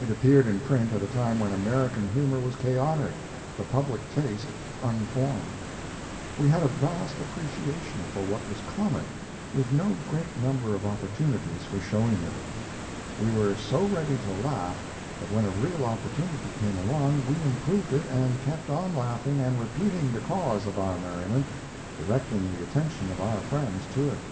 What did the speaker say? It appeared in print at a time when American humor was chaotic, the public taste unformed. We had a vast appreciation for what was comic, with no great number of opportunities for showing it. We were so ready to laugh that when a real opportunity came along we improved it and kept on laughing and repeating the cause of our merriment, directing the attention of our friends to it.